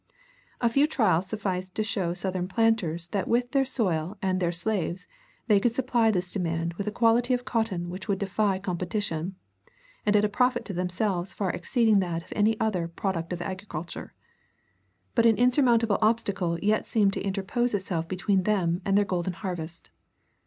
A few trials sufficed to show Southern planters that with their soil and their slaves they could supply this demand with a quality of cotton which would defy competition, and at a profit to themselves far exceeding that of any other product of agriculture. But an insurmountable obstacle yet seemed to interpose itself between them and their golden harvest.